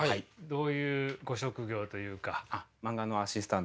どういうご職業というか。